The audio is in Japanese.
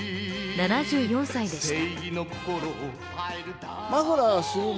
７４歳でした。